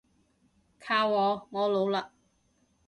靠我，我老喇